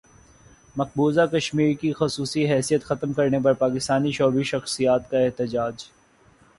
مقبوضہ کشمیر کی خصوصی حیثیت ختم کرنے پر پاکستانی شوبز شخصیات کا احتجاج